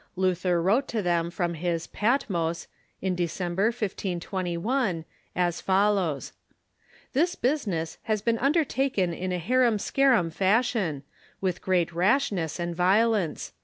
Luther wrote to them from his "Patmos," in December, 1521, as follows: "This business has been un dertaken in a harum scarum fashion, unth great rashness and violence.